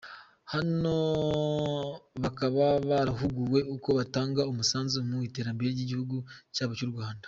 Hano bakaba barahuguwe uko batanga umusanzu mu iterambere ry'igihugu cyabo cy'u Rwanda.